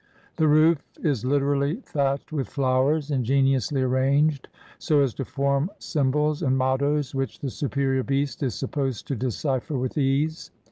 The roof is literally thatched with flowers, ingeniously arranged so as to form symbols and mottoes, which the superior beast is supposed to decipher with ease.